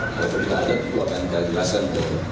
kalau tidak ada itu akan jadi jelasan